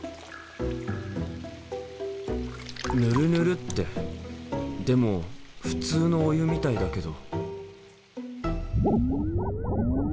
ヌルヌルってでも普通のお湯みたいだけど。